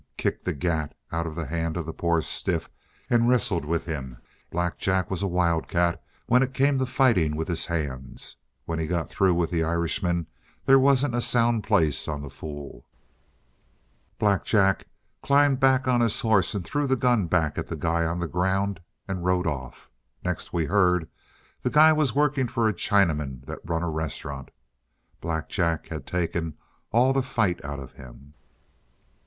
Kicked the gat out of the hand of the poor stiff and wrestled with him. Black Jack was a wildcat when it come to fighting with his hands. When he got through with the Irishman, there wasn't a sound place on the fool. Black Jack climbed back on his horse and threw the gun back at the guy on the ground and rode off. Next we heard, the guy was working for a Chinaman that run a restaurant. Black Jack had taken all the fight out of him."